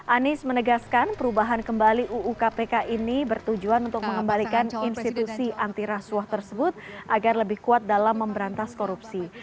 anies menegaskan perubahan kembali uu kpk ini bertujuan untuk mengembalikan institusi anti rasuah tersebut agar lebih kuat dalam memberantas korupsi